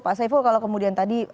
pak saiful kalau kemudian tadi